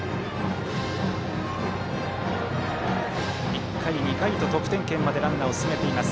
１回、２回と得点圏までランナーを進めています